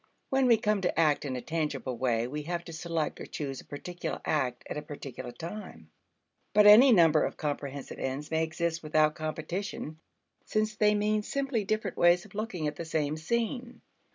When we come to act in a tangible way we have to select or choose a particular act at a particular time, but any number of comprehensive ends may exist without competition, since they mean simply different ways of looking at the same scene.